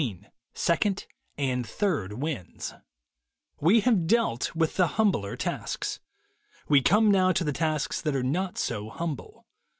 XV SECOND AND THIRD WINDS \T TE have dealt with the humbler tasks. We »* come now to the tasks that are not so humble.